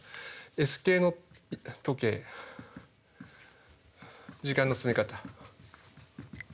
Ｓ系の時計時間の進み方。